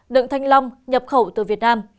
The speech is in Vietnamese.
đựng thanh long nhập khẩu từ việt nam